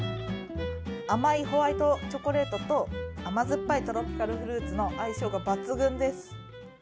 甘いホワイトチョコレートと甘酸っぱいトロピカルフルーツの相性が抜群です。